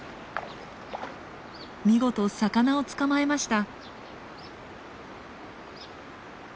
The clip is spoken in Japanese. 見事魚を捕まえました。